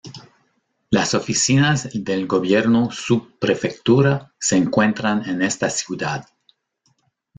Las oficinas del gobierno subprefectura se encuentran en esta ciudad.